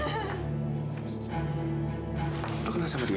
kau kenal sama dia